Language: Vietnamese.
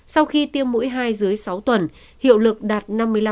sau khi tiêm mũi hai dưới sáu tuần hiệu lực đạt năm mươi năm